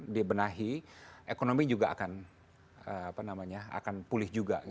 dibenahi ekonomi juga akan pulih juga